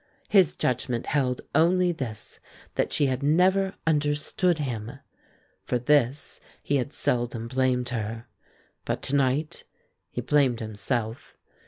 His judgment held only this, that she had never understood him. For this he had seldom blamed her; but to night he blamed himself.